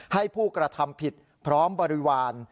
ให้ผู้กระทำผิดพร้อมบริวาร